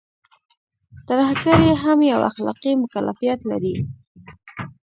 ترهګري هم يو اخلاقي مکلفيت لري.